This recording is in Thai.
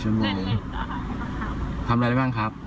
๑ชั่วโมงทำได้หรือเปล่าครับ